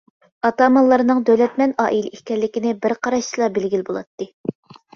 ئاتامانلارنىڭ دۆلەتمەن ئائىلە ئىكەنلىكىنى بىر قاراشتىلا بىلگىلى بولاتتى.